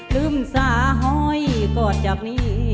ลืมสาหอยกอดจากนี้